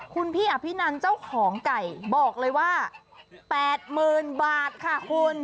คุณพี่อภินันเจ้าของไก่บอกเลยว่า๘๐๐๐บาทค่ะคุณ